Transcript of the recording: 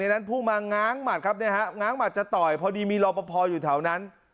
นั้นพุ่งมาง้างหมัดครับเนี่ยฮะง้างหัดจะต่อยพอดีมีรอปภอยู่แถวนั้น